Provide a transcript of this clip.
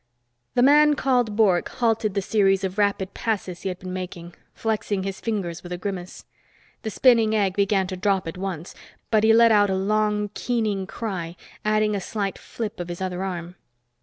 The man called Bork halted the series of rapid passes he had been making, flexing his fingers with a grimace. The spinning egg began to drop at once, but he let out a long, keening cry, adding a slight flip of his other arm.